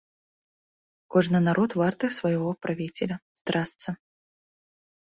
Кожны народ варты свайго правіцеля, трасца!